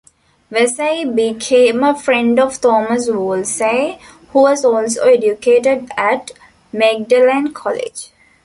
Vesey became a friend of Thomas Wolsey who was also educated at Magdalen College.